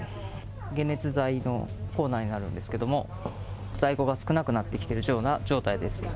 解熱剤のコーナーになるんですけども、在庫が少なくなってきてるような状態です。